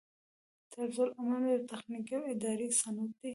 طرزالعمل یو تخنیکي او اداري سند دی.